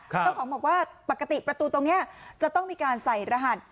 เขาบอกว่าปกติประตูตรงนี้จะต้องมีการใส่รหัส